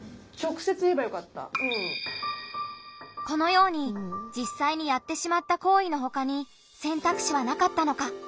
このようにじっさいにやってしまった行為のほかに選択肢はなかったのか。